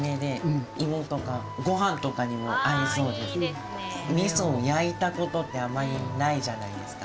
うちなんかはみそを焼いたことってあんまりないじゃないですか。